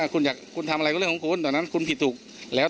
คุณอยากคุณทำอะไรก็เรื่องของคุณตอนนั้นคุณผิดถูกแล้ว